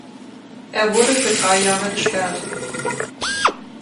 Er wurde für drei Jahre gesperrt.